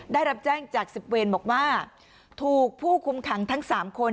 ได้รับแจ้งจากสิบเวรบอกว่าถูกผู้คุมขังทั้ง๓คน